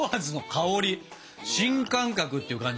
新感覚っていう感じ。